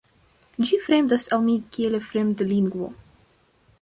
Ĝi fremdas al mi kiel fremdlingvo.